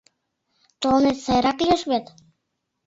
Тыланет сайрак лиеш вет?